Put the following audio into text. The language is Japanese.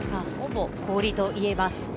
ほぼ氷といえます。